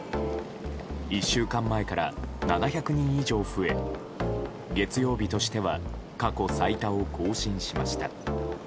１週間前から７００人以上増え月曜日としては過去最多を更新しました。